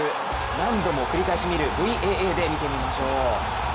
何度も繰り返し見るＶＡＡで見てみましょう。